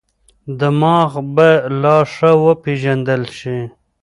دماغ به لا ښه وپېژندل شي.